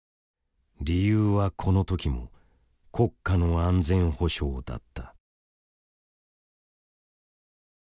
理由はこの時も「国家の安全保障」だった。